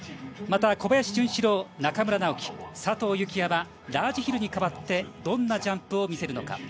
また小林潤志郎、中村直幹佐藤幸椰はラージヒルに変わってどんなジャンプを見せるのか。